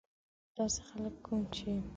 داسې خلک کوم چې.